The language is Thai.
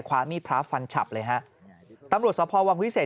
คว้ามีดพระฟันฉับเลยตำรวจสตร์พ่อวังหวิเศษ